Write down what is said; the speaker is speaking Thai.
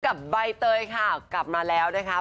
ใบเตยค่ะกลับมาแล้วนะคะ